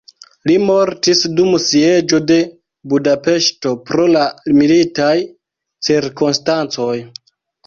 Li mortis dum sieĝo de Budapeŝto pro la militaj cirkonstancoj.